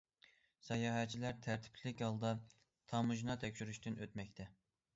ساياھەتچىلەر تەرتىپلىك ھالدا تاموژنا تەكشۈرۈشىدىن ئۆتمەكتە.